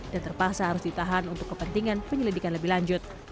dan terpaksa harus ditahan untuk kepentingan penyelidikan lebih lanjut